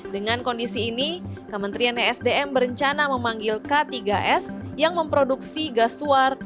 dengan kondisi ini kementerian esdm berencana memanggil k tiga s yang memproduksi gas suar